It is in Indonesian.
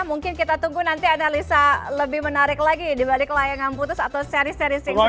mungkin kita tunggu nanti analisa lebih menarik lagi dibalik layangan putus atau seri seri single